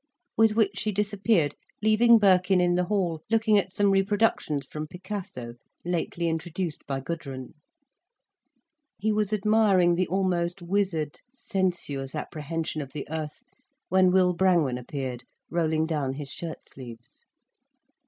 With which she disappeared, leaving Birkin in the hall, looking at some reproductions from Picasso, lately introduced by Gudrun. He was admiring the almost wizard, sensuous apprehension of the earth, when Will Brangwen appeared, rolling down his shirt sleeves.